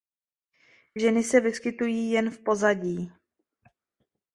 Ženy se vyskytují jen v pozadí.